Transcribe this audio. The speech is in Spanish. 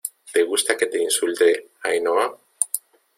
¿ te gusta que te insulte, Ainhoa?